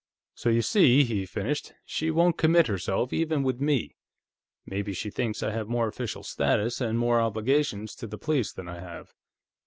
"So you see," he finished, "she won't commit herself, even with me. Maybe she thinks I have more official status, and more obligations to the police, than I have.